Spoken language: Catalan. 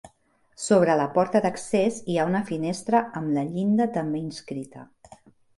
Sobre la porta d'accés hi ha una finestra amb la llinda també inscrita.